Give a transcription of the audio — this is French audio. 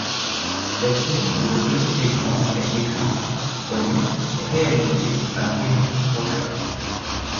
Cette série pour le petit écrans est écrite, produite et réalisée par Eric Rochat.